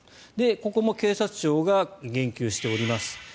ここも警察庁が言及しています。